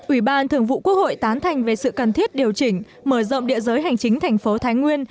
ủy ban thường vụ quốc hội tán thành về sự cần thiết điều chỉnh mở rộng địa giới hành chính thành phố thái nguyên